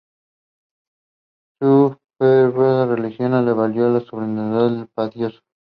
Su fervorosa religiosidad le valió el sobrenombre "el Piadoso".